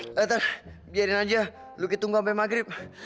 eh eh eh tan biarin aja lu gitu tunggu sampe maghrib